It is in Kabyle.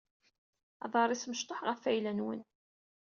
Aḍaṛ-iw mecṭuḥ ɣf ayla-nwen.